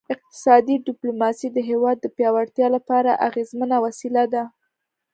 اقتصادي ډیپلوماسي د هیواد د پیاوړتیا لپاره اغیزمنه وسیله ده